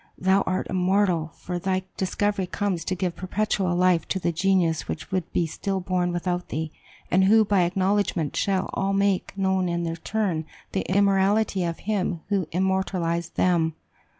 Thou art immortal; for thy discovery comes to give perpetual life to the genius which would be still born without thee, and who, by acknowledgment, shall all make known in their turn the immortality of him who immortalized them!"